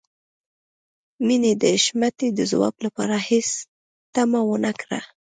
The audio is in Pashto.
مينې د حشمتي د ځواب لپاره هېڅ تمه ونه کړه.